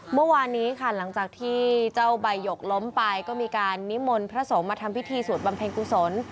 เมื่อวานนี้ค่ะหลังจากที่เจ้าใบหยกล้มไปก็มีการนิมนต์พระสงฆ์มาทำพิธีสวดบำเพ็ญกุศล